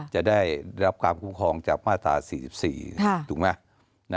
จะได้รับความคุ้มครองจากมาตรา๔๔ถูกไหม